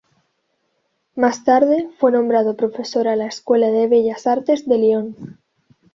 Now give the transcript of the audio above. Más tarde, fue nombrado profesor a la Escuela de Bellas Artes de Lyon.